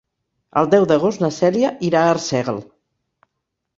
El deu d'agost na Cèlia irà a Arsèguel.